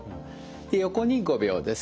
横に５秒です。